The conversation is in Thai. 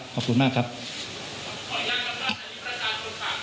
ขออนุญาตกรรมการธรรมชาติภาคภาคภาคมาครับ